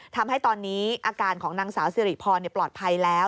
ทำให้ตอนนี้อาการของนางสาวสิริพรปลอดภัยแล้ว